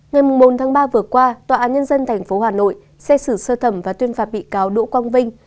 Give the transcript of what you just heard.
ngày bốn tháng ba vừa qua tòa án nhân dân tp hà nội xét xử sơ thẩm và tuyên phạt bị cáo đỗ quang vinh